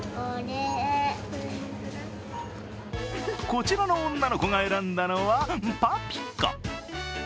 こちらの女の子が選んだのは、パピコ。